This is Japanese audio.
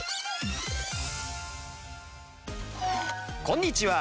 こんにちは。